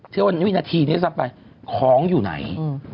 เชื่อว่าวินาทีนี้ซ้ำไปของอยู่ไหน